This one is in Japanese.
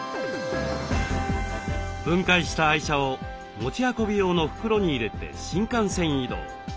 分解した愛車を持ち運び用の袋に入れて新幹線移動。